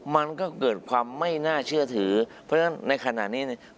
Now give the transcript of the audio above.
มันก็เกิดความไม่น่าเชื่อถือเพราะฉะนั้นในขณะนี้เนี่ย